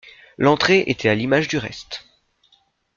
L’entrée était à l’image du reste.